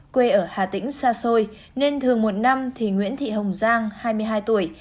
quê ở hà tĩnh xa xôi nên thường một năm thì nguyễn thị hồng giang hai mươi hai tuổi